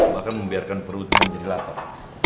bahkan membiarkan perutnya jadi lapar